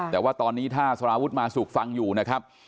แต่ว่าตอนนี้ถ้าสารวุฒิมาสุกฟังอยู่นะครับ